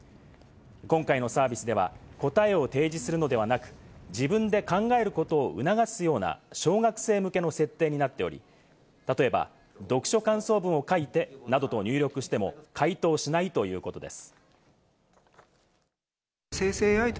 今回のサービスでは答えを提示するのではなく、自分で考えることを促すような小学生向けの設定になっており、例えば「読書感想文を書いて」などと入力しても回答しないということです。